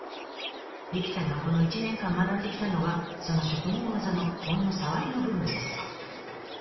理妃さんがこの１年間学んできたのはその職人技のほんのさわりの部分です。